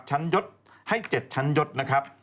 ยศให้๗ชั้นยศนะครับ